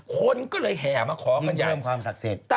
คนก็เลยแหย่มาขอขุนใหญ่ที่เพิ่มความศักดิ์สิต